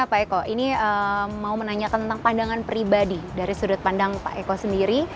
dan selanjutnya pak eko ini mau menanyakan tentang pandangan pribadi dari sudut pandang pak eko sendiri